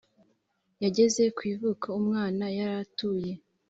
yageze kwivuko umwana yaratuye